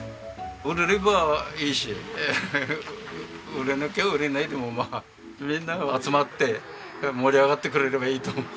売れればいいし売れなきゃ売れないでもまあみんなが集まって盛り上がってくれればいいと思う。